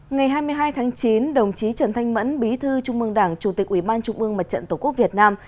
ngày hai mươi hai tháng chín đồng chí trần thanh mẫn bí thư trung mương đảng chủ tịch ủy ban trung ương mặt trận tổ quốc việt nam